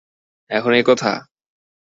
এখন এই কথা?